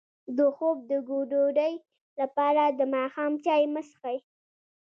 د خوب د ګډوډۍ لپاره د ماښام چای مه څښئ